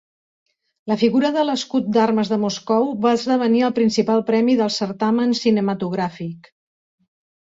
La figura de l'escut d'armes de Moscou, va esdevenir el principal premi del certamen cinematogràfic.